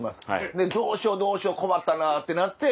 でどうしようどうしよう困ったなってなって。